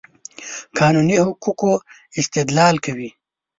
قانوني حقوقو استدلال کوي.